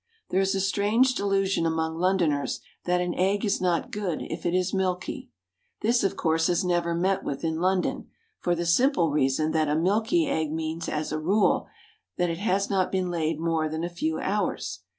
There is a strange delusion among Londoners that an egg is not good if it is milky. This, of course, is never met with in London, for the simple reason that a milky egg means, as a rule, than it has not been laid more than a few hours.